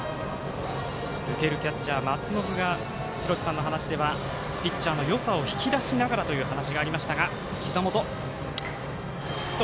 受けるキャッチャー松延が廣瀬さんの話ではピッチャーのよさを引き出しながらという話がありましたが。